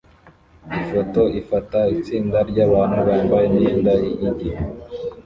Ifoto ifata itsinda ryabantu bambaye imyenda yigihe